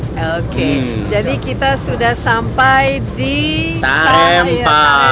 oke jadi kita sudah sampai di korea